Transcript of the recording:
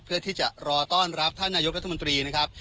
เพื่อที่จะรอต้อนรับท่านนายกรัฐมนตรีนะครับ